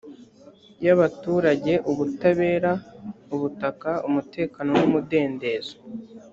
y abaturage ubutabera ubutaka umutekano umudendezo